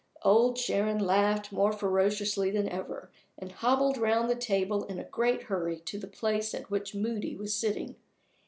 Old Sharon laughed more ferociously than ever, and hobbled round the table in a great hurry to the place at which Moody was sitting.